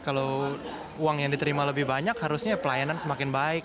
kalau uang yang diterima lebih banyak harusnya pelayanan semakin baik